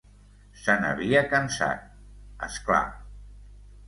Se n'havia cansat, és clar.